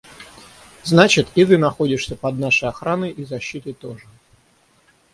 – Значит, и ты находишься под нашей охраной и защитой тоже.